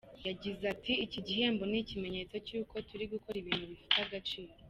Yagize ati “Iki gihembo ni ikimenyetso cy’uko turi gukora ibintu bifite agaciro.